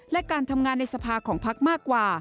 และการทำงานในสภาของพักมากกว่า